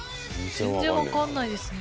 全然わかんないですね。